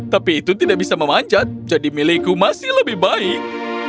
tapi itu tidak bisa memanjat jadi milikku masih lebih baik